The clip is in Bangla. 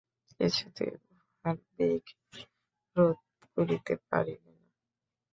কিছুতেই উহার বেগ রোধ করিতে পারিবে না।